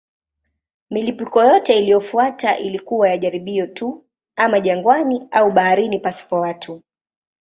Milipuko yote iliyofuata ilikuwa ya jaribio tu, ama jangwani au baharini pasipo watu.